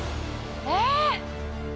ええ？